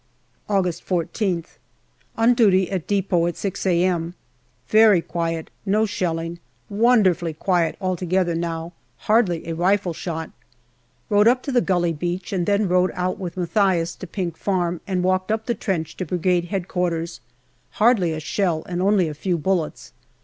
August 14th. On duty at depot at 6 a.m. Very quiet, no shelling. Wonderfully quiet altogether now : hardly a rifleshot. Rode up to the Gully Beach, and then rode out with Mathias to Pink Farm and walked up the trench to Brigade H.Q. Hardly a shell, and only a few bullets.